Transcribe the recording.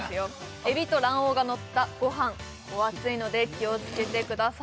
海老と卵黄がのったご飯お熱いので気をつけてください